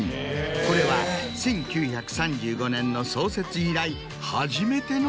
これは１９３５年の創設以来。